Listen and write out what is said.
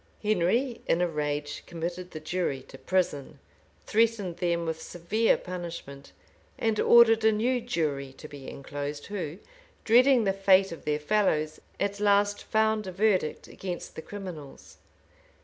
Henry, in a rage, committed the jury to prison, threatened them with severe punishment, and ordered a new jury to be enclosed, who, dreading the fate of their fellows, at last found a verdict against the criminals.